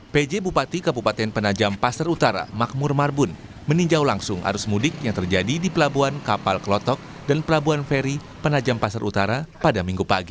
pj bupati kabupaten penajam pasar utara makmur marbun meninjau langsung arus mudik yang terjadi di pelabuhan kapal klotok dan pelabuhan feri penajam pasar utara pada minggu pagi